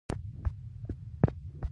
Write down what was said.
• د لاس ساعت د وخت نغمه ده.